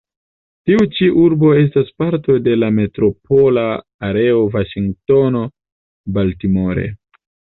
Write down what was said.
Ĉi-tiu urbo estas parto de la "Metropola Areo Vaŝingtono-Baltimore".